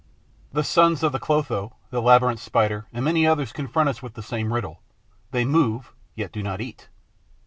The sons of the Clotho, the Labyrinth Spider and many others confront us with the same riddle: they move, yet do not eat.